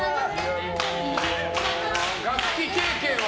楽器経験は？